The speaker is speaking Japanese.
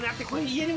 家に？